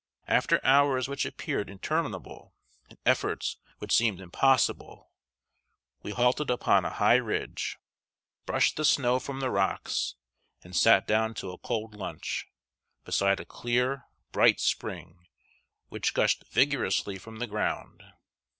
After hours which appeared interminable, and efforts which seemed impossible, we halted upon a high ridge, brushed the snow from the rocks, and sat down to a cold lunch, beside a clear, bright spring which gushed vigorously from the ground.